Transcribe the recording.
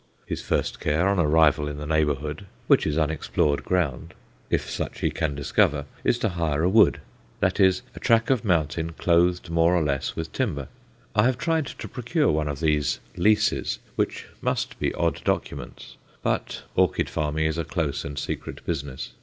His first care on arrival in the neighbourhood which is unexplored ground, if such he can discover is to hire a wood; that is, a track of mountain clothed more or less with timber. I have tried to procure one of these "leases," which must be odd documents; but orchid farming is a close and secret business.